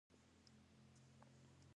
ډولچي هم ډول ته لرګي واچول.